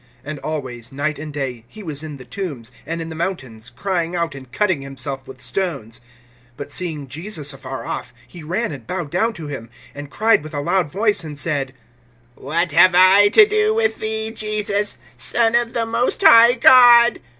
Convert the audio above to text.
(5)And always, night and day, he was in the tombs, and in the mountains, crying out, and cutting himself with stones. (6)But seeing Jesus afar off, he ran and bowed down to him, (7)and cried with a loud voice, and said: What have I to do with thee, Jesus, Son of the most high God?